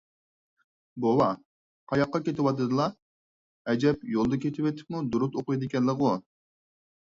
بوۋا، قاياققا كېتىۋاتىدىلا؟ ئەجەب يولدا كېتىۋېتىپمۇ دۇرۇت ئوقۇيدىكەنلىغۇ؟